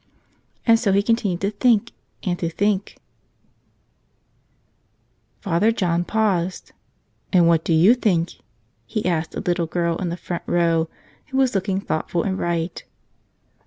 And so he continued to think and to think !" Father John paused. "And what do you think?" he asked a little girl in the front row who was looking thoughtful and bright.